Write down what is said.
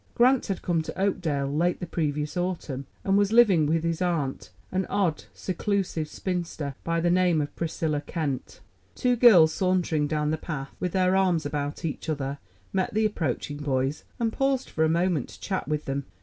Grant had come to Oakdale late the previous autumn, and was living with his aunt, an odd, seclusive spinster, by the name of Priscilla Kent. Two girls, sauntering down the path with their arms about each other, met the approaching boys, and paused a moment to chat with them.